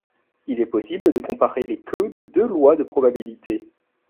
Il est possible de comparer les queues de deux lois de probabilités.